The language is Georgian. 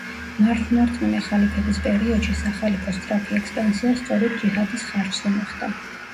მართლმორწმუნე ხალიფების პერიოდში სახალიფოს სწრაფი ექსპანსია სწორედ ჯიჰადის ხარჯზე მოხდა.